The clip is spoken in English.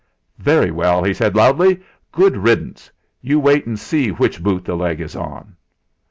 "Very well," he said loudly. "Good riddance! You wait and see which boot the leg is on!"